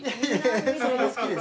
それも好きです。